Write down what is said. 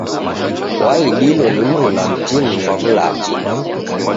Waidilo ni mruna mtini kwa w'ulacha.